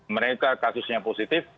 mereka kasusnya positif